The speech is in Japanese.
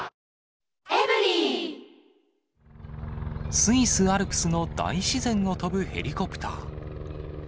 スイス・アルプスの大自然を飛ぶヘリコプター。